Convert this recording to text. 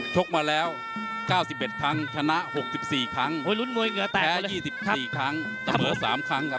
กมาแล้ว๙๑ครั้งชนะ๖๔ครั้งแพ้๒๔ครั้งเสมอ๓ครั้งครับ